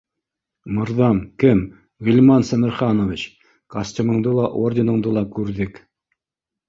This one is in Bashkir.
— Мырҙам, кем, Ғилман Сәмерханович, костюмыңды ла, орденыңды ла күрҙек